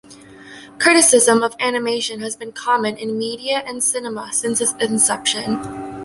Criticism of animation has been common in media and cinema since its inception.